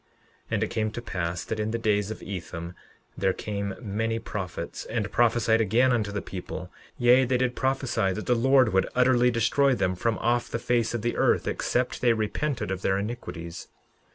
11:12 And it came to pass that in the days of Ethem there came many prophets, and prophesied again unto the people; yea, they did prophesy that the Lord would utterly destroy them from off the face of the earth except they repented of their iniquities.